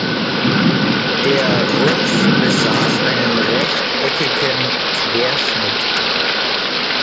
Der Rumpf besaß einen rechteckigen Querschnitt.